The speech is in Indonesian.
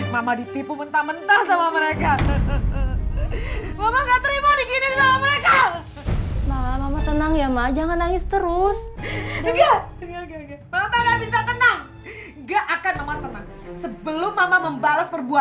mama ditipu mentah mentah sama mereka